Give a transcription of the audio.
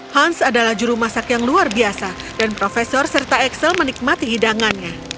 hans adalah juru masak yang luar biasa dan profesor serta axel menikmati hidangannya